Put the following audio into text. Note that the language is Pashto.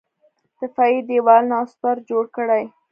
دفاعي دېوالونه او سپر جوړ کړي.